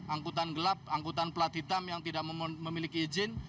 angkutan gelap angkutan pelat hitam yang tidak memiliki izin